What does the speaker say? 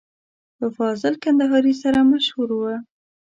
په فاضل کندهاري سره مشهور و.